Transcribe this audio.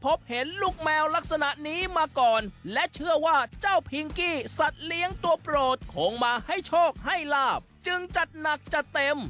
พบเห็นลูกแมวลักษณะนี้มาก่อนและเชื่อว่าเจ้าพิงกี้สัตว์เลี้ยงตัวโปรดคงมาให้โชคให้ลาบจึงจัดหนักจัดเต็ม